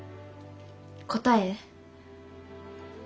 答え？